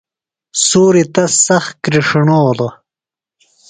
سُوریۡ تس سخت کِرݜݨولوۡ